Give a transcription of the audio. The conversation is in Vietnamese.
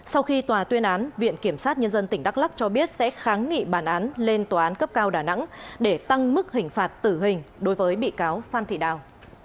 sau khi tòa tuyên án viện kiểm sát nhân dân tỉnh đắk lắc cho biết sẽ kháng nghị bản án lên tòa án cấp cao đà nẵng để tăng mức hình phạt tử hình đối với bị cáo phan thị đào